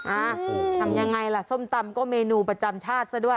อ่ะทำยังไงล่ะส้มตำก็เมนูประจำชาติซะด้วย